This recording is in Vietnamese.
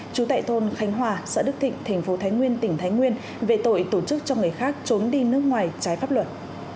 chú tệ thôn khánh hòa sở đức thịnh tp thái nguyên tỉnh thái nguyên về tội tổ chức cho người khác trốn đi nước ngoài trái pháp luật